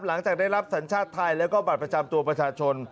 หลังจากได้รับสัญชาติไทยแล้วก็บัตรประจำตัวประชาชน